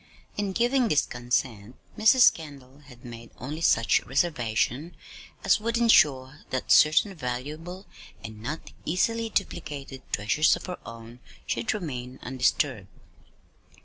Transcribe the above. In giving this consent, Mrs. Kendall had made only such reservation as would insure that certain valuable (and not easily duplicated) treasures of her own should remain undisturbed.